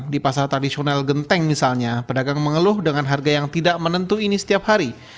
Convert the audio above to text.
di pasar tradisional genteng misalnya pedagang mengeluh dengan harga yang tidak menentu ini setiap hari